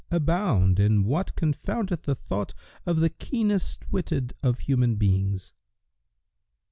abound in what confoundeth the thought of the keenest witted of human beings."